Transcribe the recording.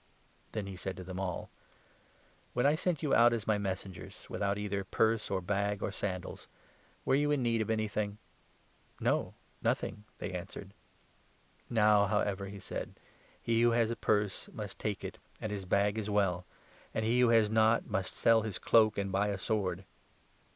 The Then he said to them all : 35 End at "When I sent you out as my Messengers, Hand. without either purse, or bag, or sandals, were you in need of anything ?" "No; nothing," they answered. " Now, however," he said, "he who has a purse must take 36 it and his bag as well ; and he who has not must sell his cloak and buy a sword.